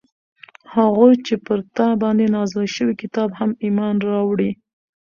او هغو چې پر تا باندي نازل شوي كتاب هم ايمان راوړي